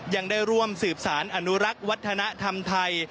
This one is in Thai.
ยังได้ร่วมสืบสารอนุรักษ์วัฒนธรรมไทย